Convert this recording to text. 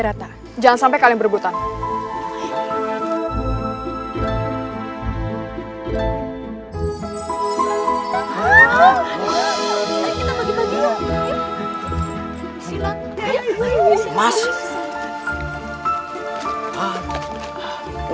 rata jangan sampai kalian berebutan hai hai hai hai hai hai hai hai hai hai hai hai